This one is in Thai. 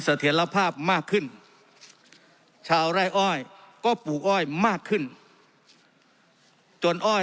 เสถียรภาพมากขึ้นชาวไร่อ้อยก็ปลูกอ้อยมากขึ้นจนอ้อย